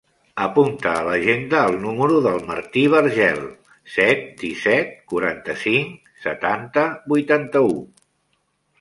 Apunta a l'agenda el número del Martí Vergel: set, disset, quaranta-cinc, setanta, vuitanta-u.